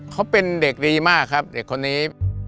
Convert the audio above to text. เขาเป็นเด็กดีมากครับเด็กคนนี้